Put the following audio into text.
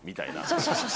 そうそうそう。